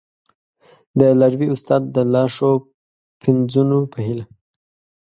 د لاروي استاد د لا ښو پنځونو په هیله!